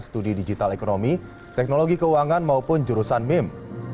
studi digital ekonomi teknologi keuangan maupun jurusan meme